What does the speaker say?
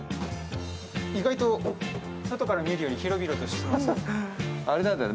意外と外から見るより広々としていますね。